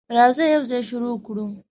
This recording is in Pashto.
راځه، یوځای شروع کړو.